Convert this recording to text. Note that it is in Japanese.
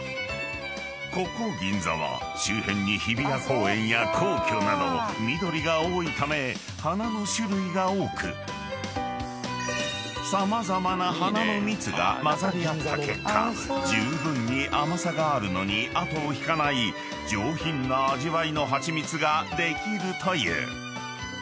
［ここ銀座は周辺に日比谷公園や皇居など緑が多いため花の種類が多く様々な花の蜜が混ざり合った結果じゅうぶんに甘さがあるのに後を引かない上品な味わいの蜂蜜ができるという］